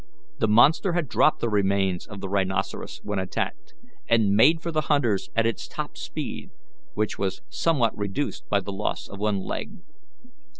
The monster had dropped the remains of the rhinoceros when attacked, and made for the hunters at its top speed, which was somewhat reduced by the loss of one leg.